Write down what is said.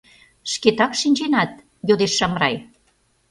Шкетак шинченат? — йодеш Шамрай.